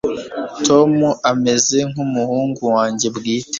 tom ameze nkumuhungu wanjye bwite